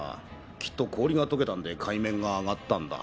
きっと氷がとけたんで海面が上がったんだ。